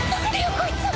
こいつ！